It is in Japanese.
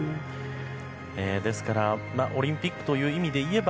ですからオリンピックという意味でいえば